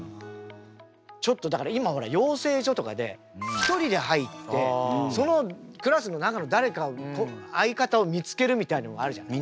ちょっとだから今ほら養成所とかで１人で入ってクラスの中の誰か相方を見つけるみたいのがあるじゃない。